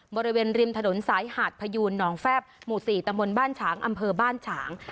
บริเวณริมถนนสายหาดพยูนหนองแฟบหมู่๔ตำบลบ้านฉางอำเภอบ้านฉาง